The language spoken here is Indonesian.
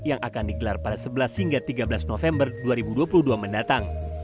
yang akan digelar pada sebelas hingga tiga belas november dua ribu dua puluh dua mendatang